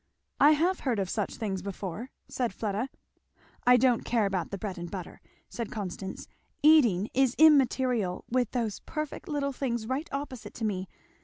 "I have heard of such things before," said Fleda. "I don't care about the bread and butter," said Constance; "eating is immaterial, with those perfect little things right opposite to me.